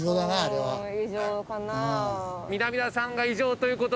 はい。